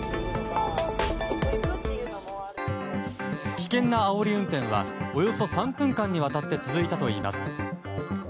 危険なあおり運転はおよそ３分間にわたって続いたといいます。